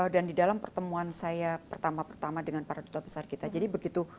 dan di dalam pertemuan saya pertama pertama dengan para duta besar kita jadi begitu